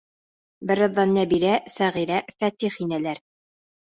Бер аҙҙан Нәбирә, Сәғирә, Фәтих инәләр.